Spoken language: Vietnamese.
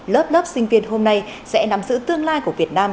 lớp lớp sinh viên hôm nay sẽ nắm giữ tương lai của việt nam